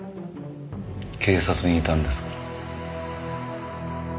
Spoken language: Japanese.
警察にいたんですから。